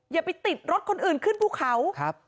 อย่าไปติดรถคนอื่นขึ้นภูเขา